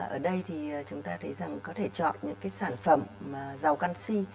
ở đây thì chúng ta thấy rằng có thể chọn những cái sản phẩm mà giàu canxi